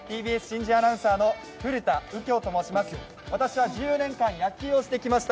ＴＢＳ新人アナウンサーの古田敬郷と申します。